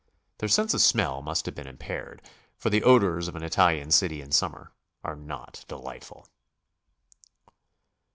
Their sense of smell must have been impaired, for the odors of an Italian city in summer are not delightful.